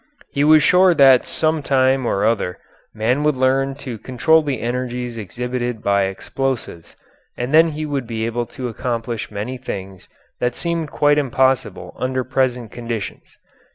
He was sure that some time or other man would learn to control the energies exhibited by explosives and that then he would be able to accomplish many things that seemed quite impossible under present conditions.